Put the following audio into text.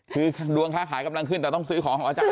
คือดวงค้าขายกำลังขึ้นแต่ต้องซื้อของของอาจารย